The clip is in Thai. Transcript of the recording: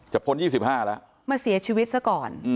พ้น๒๕แล้วมาเสียชีวิตซะก่อน